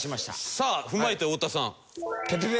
さあ踏まえて太田さん。